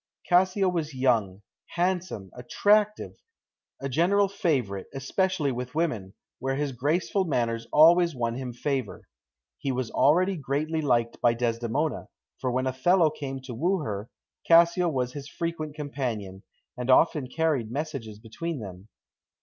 Cassio was young, handsome, attractive, a general favourite, especially with women, where his graceful manners always won him favour. He was already greatly liked by Desdemona, for when Othello came to woo her, Cassio was his frequent companion, and often carried messages between them.